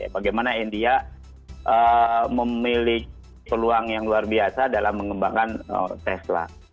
bagaimana india memiliki peluang yang luar biasa dalam mengembangkan tesla